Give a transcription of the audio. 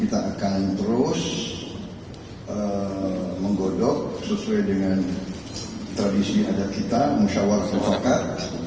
kita akan terus menggodok sesuai dengan tradisi adat kita musyawarat yang fakat